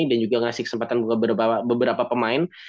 dan juga ngasih kesempatan buat beberapa pemain